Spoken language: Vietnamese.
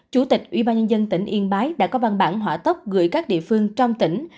chủ tịch ubnd tỉnh yên bái đã có văn bản hỏa tốc gửi các địa phương trong tỉnh